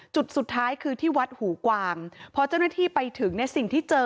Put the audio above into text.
จุดสุดท้ายคือที่วัดหูกวางพอเจ้าหน้าที่ไปถึงเนี่ยสิ่งที่เจอ